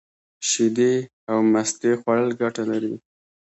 شیدې او مستې خوړل گټه لري.